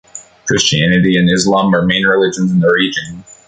Christianity and Islam are main religions in the region.